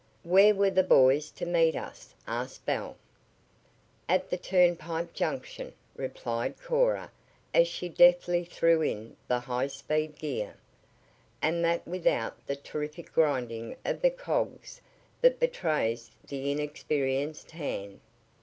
"Where were the boys to meet us?" asked Belle. "At the turnpike junction," replied Cora as she deftly threw in the high speed gear, and that without the terrific grinding of the cogs that betrays the inexperienced hand.